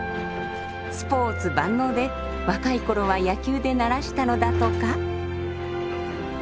スポーツ万能で若い頃は野球で鳴らしたのだとか。